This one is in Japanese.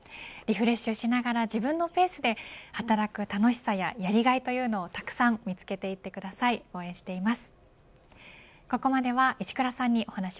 リフレッシュしながら自分のペースで働く楽しさややりがいというのをたくさん見つけていってください。